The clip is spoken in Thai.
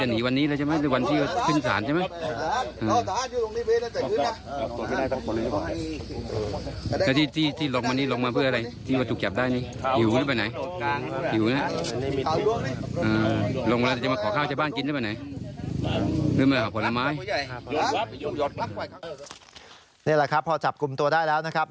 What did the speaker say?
นี่แหละครับพอจับกลุ่มตัวได้แล้วนะครับ